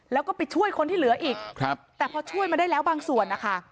แล้วก็ไปช่วยคนที่เหลืออีกครับแต่พอช่วยมาได้แล้วบางส่วนนะคะ